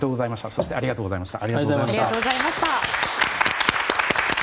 そしてありがとうございました。